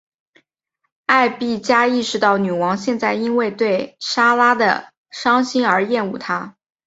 艾碧嘉意识到女王现在因为对莎拉的伤心而厌恶她。